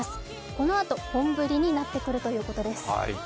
このあと本降りになってくるということです。